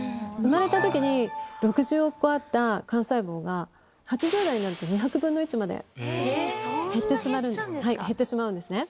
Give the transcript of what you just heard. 生まれたときに６０億個あった幹細胞が８０代になると２００分の１まで減ってしまうんです。